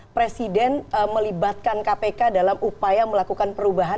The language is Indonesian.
presiden melibatkan kpk dalam upaya melakukan perubahan